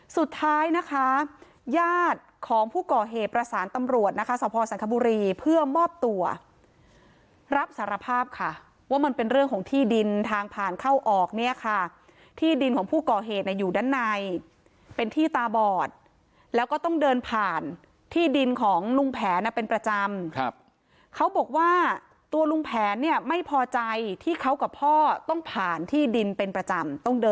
สุดท้ายนะคะญาติของผู้ก่อเหตุประสานตำรวจนะคะสพสังคบุรีเพื่อมอบตัวรับสารภาพค่ะว่ามันเป็นเรื่องของที่ดินทางผ่านเข้าออกเนี่ยค่ะที่ดินของผู้ก่อเหตุอยู่ด้านในเป็นที่ตาบอดแล้วก็ต้องเดินผ่านที่ดินของลุงแผนเป็นประจำครับเขาบอกว่าตัวลุงแผนเนี่ยไม่พอใจที่เขากับพ่อต้องผ่านที่ดินเป็นประจำต้องเดิน